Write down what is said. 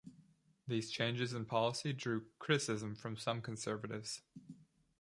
These changes in policy drew criticism from some conservatives.